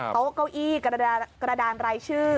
โต๊ะเก้าอี้กระดานรายชื่อ